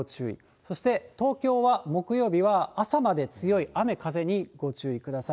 そして東京は木曜日は朝まで強い雨、風にご注意ください。